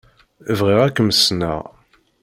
Bɣiɣ ad kem-ssneɣ.